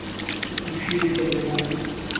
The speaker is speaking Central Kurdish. وهکو شیری گەرمەلان